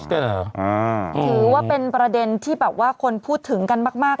ถือว่าเป็นประเด็นที่แบบว่าคนพูดถึงกันมาก